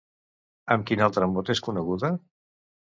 Amb quin altre mot és coneguda?